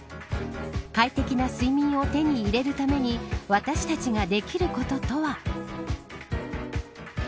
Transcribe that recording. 快適な睡眠を手に入れるために私たちができることとは。